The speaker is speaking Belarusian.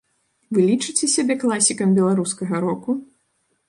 Вы лічыце сябе класікам беларускага року?